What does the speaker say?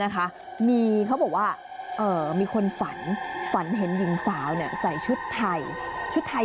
เขาบอกว่ามีคนฝันเห็นหญิงสาวใส่ชุดไทย